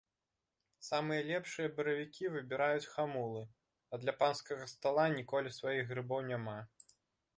Самыя лепшыя баравікі выбіраюць хамулы, а для панскага стала ніколі сваіх грыбоў няма.